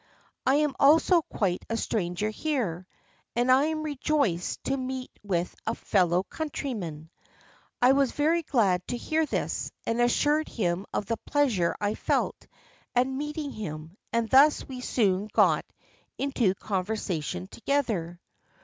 I am also quite a stranger here, and I am rejoiced to meet with a fellow countryman.' I was very glad to hear this, and assured him of the pleasure I felt at meeting him, and thus we soon got into conversation together.